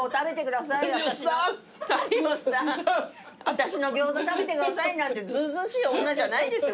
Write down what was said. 私のギョーザ食べてください」なんてずうずうしい女じゃないですよ